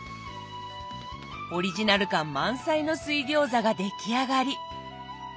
オリジナル感満載の水餃子が出来上がり。